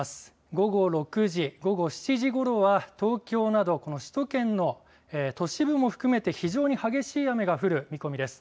午後６時、午後７時ごろは東京などこの首都圏の都市部も含めて非常に激しい雨が降る見込みです。